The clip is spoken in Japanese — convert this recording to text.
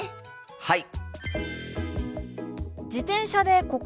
はい！